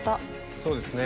そうですね。